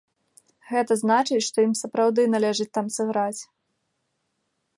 Гэта значыць, што ім сапраўды належыць там сыграць.